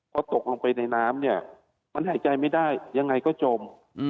พอตกลงไปในน้ำเนี่ยมันหายใจไม่ได้ยังไงก็จม